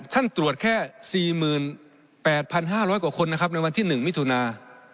ท่านตรวจแค่๔๘๕๐๐กว่าคนนะครับในวันที่๑มิถุนา